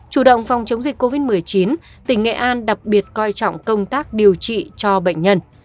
chủ động phòng chống dịch covid một mươi chín tỉnh nghệ an đặc biệt coi trọng công tác điều trị cho bệnh nhân